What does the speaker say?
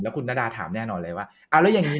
คุณนาดาถามแน่นอนเลยว่าเอาแล้วอย่างนี้